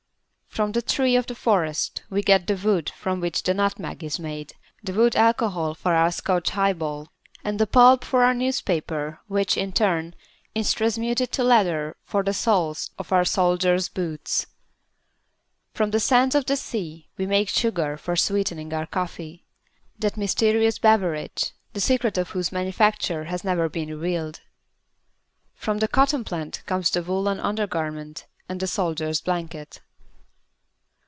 From the tree of the forest we get the wood from which the nutmeg is made, the wood alcohol for our Scotch high ball and the pulp for our newspaper, which, in turn, is transmuted to leather for the soles of our soldiers' boots. From the sands of the sea we make sugar for sweetening our coffee that mysterious beverage, the secret of whose manufacture has never been revealed. From the cotton plant comes the woolen under garment and the soldier's blanket.